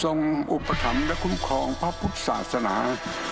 ทรงอุปธรรมและคุ้มครองพระพุทธศาสนา